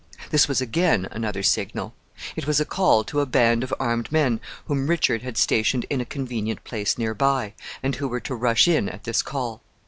This was again another signal. It was a call to a band of armed men whom Richard had stationed in a convenient place near by, and who were to rush in at this call.